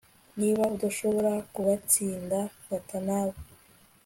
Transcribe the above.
niba udashobora kubatsinda, fata nabo